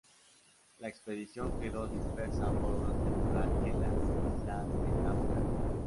La expedición quedó dispersa por un temporal en las islas de Cabo Verde.